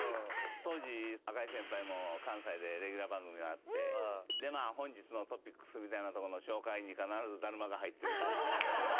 当時赤井先輩も関西でレギュラー番組があって本日のトピックスみたいなところの紹介に必ずだるまが入ってる。